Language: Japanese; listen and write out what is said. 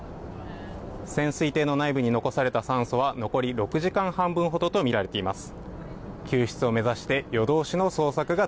潜水艇の内部に残された酸素は残り６時間半分ほどとみられています。